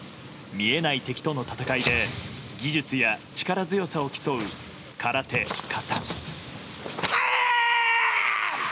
見えない敵との戦いで技術や力強さを競う空手、形。